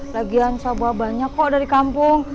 lagian saya bawa banyak kok dari kampung